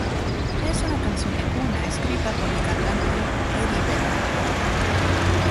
Es una canción de cuna escrita por el cantante Eddie Vedder.